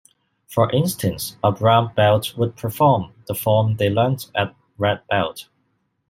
For instance, a brown belt would perform the form they learned at red belt.